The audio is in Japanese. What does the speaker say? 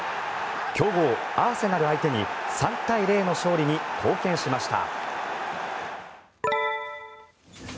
強豪アーセナル相手に３対０の勝利に貢献しました。